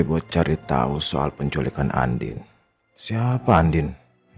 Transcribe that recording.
hai bos minta gue buat cari tahu soal penculikan andin siapa andin ya